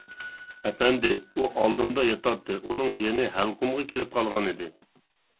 ئەپەندى، ئۇ ئالدىمدا ياتاتتى، ئۇنىڭ جېنى ھەلقۇمغا كېلىپ قالغانىدى.